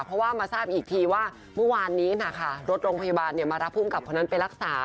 เพราะว่ามาทราบอีกทีว่าเมื่อวานนี้นะคะรถโรงพยาบาลมารับภูมิกับคนนั้นไปรักษา